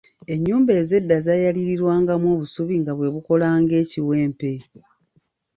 Ennyumba ez'edda zaayaliirirwangamu obusubi nga bwe bukola ng'ekiwempe.